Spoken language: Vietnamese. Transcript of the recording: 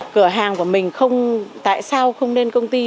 cửa hàng của mình không tại sao không nên công ty